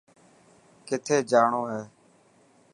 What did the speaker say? ڪٿي جاڻو هي.